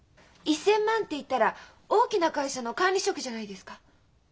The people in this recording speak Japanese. １，０００万って言ったら大きな会社の管理職じゃないですか？